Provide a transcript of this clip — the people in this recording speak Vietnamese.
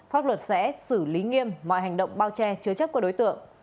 pháp luật sẽ xử lý nghiêm mọi hành động bao che chứa chấp của đối tượng